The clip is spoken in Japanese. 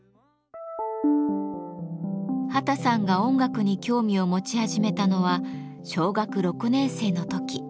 秦さんが音楽に興味を持ち始めたのは小学６年生の時。